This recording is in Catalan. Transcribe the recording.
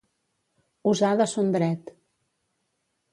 Usar de son dret.